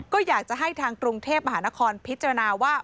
ก็อยากจะให้ทางกรุงเทพมหานครพิจารณาว่า